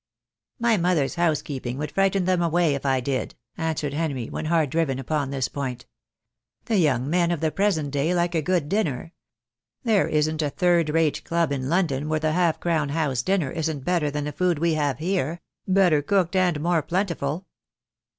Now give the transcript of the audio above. "My mothers housekeeping would frighten them away if I did,"' answered Henry, when hard driven upon this point. "The young men of the present day like a good 2l6 THE DAY WILL COME. dinner. There isn't a third rate club in London where the half crown house dinner isn't better than the food we have here — better cooked and more plentiful."